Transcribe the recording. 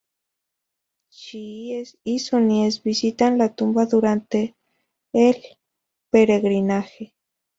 Chiíes y suníes visitan la tumba durante el peregrinaje.